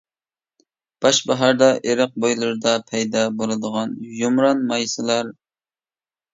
باش باھاردا ئېرىق بويلىرىدا پەيدا بولىدىغان يۇمران مايسىلار.